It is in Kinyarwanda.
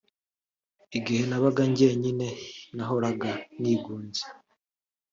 Igihe nabaga njyenyine nahoraga nigunze